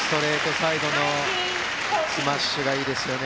最後のスマッシュがいいですよね。